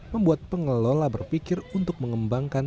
membuat pengelola berpikir untuk mengembangkan